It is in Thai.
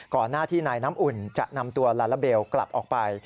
หน้าที่นายน้ำอุ่นจะนำตัวลาลาเบลกลับออกไป